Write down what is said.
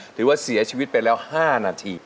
ถือว่าเสียชีวิตไปแล้ว๕นาที